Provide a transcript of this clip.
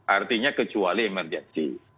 artinya kecuali emergensi